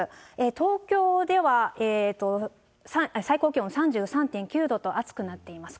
東京では最高気温３３．９度と、暑くなっています。